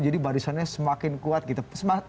jadi barisannya semakin kuat gitu